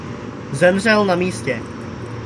Zemřel na místě.